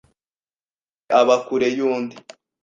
umwe aba kure y’undi.